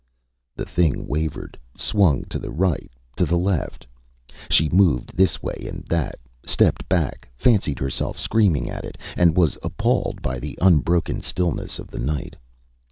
Â The thing wavered, swung to the right, to the left. She moved this way and that, stepped back, fancied herself screaming at it, and was appalled by the unbroken stillness of the night.